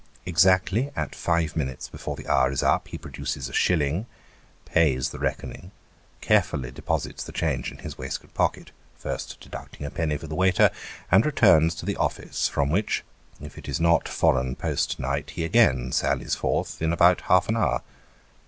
Exactly at five minutes before the hour is up, he produces a shilling, pays the reckoning, carefully deposits the change in his waistcoat pocket (first deducting a penny for the waiter), and returns to the office, from which, if it is not foreign post night, he again sallies forth, in about half an hour.